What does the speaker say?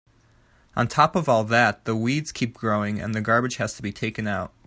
On top of all that, the weeds keep growing and the garbage has to be taken out.